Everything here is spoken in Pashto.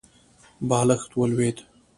بالښت ولوېد.